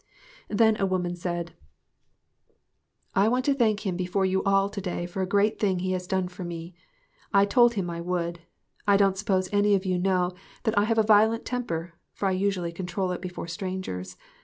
Then a woman said "I want to thank him 36 GOOD BREAD AND GOOD MEETINGS. before you all to day for a great thing he has done for me. I told him I would. I don't suppose any of you know that I have a violent temper, for I usually control it before strangers.